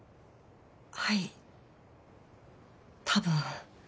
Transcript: はいたぶん。